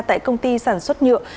tại công ty sản xuất nhựa